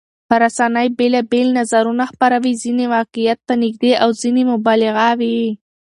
رسنۍ بېلابېل نظرونه خپروي، ځینې واقعيت ته نږدې او ځینې مبالغه وي.